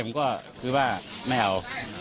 ผมก็คือว่าไม่เอา